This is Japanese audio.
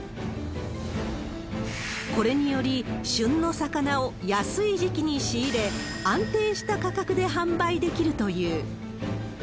これにより、旬の魚を安い時期に仕入れ、安定した価格で販売できるという。